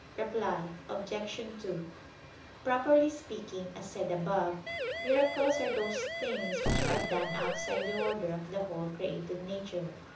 Reply Obj. 2: Properly speaking, as said above, miracles are those things which are done outside the order of the whole created nature.